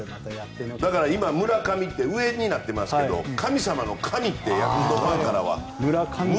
だから今、村上って「上」になってますけど神様の「神」ってヤクルトファンからは。